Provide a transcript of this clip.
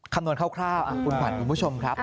คำนวณคร่าวอ่ะคุณผันคุณผู้ชมครับ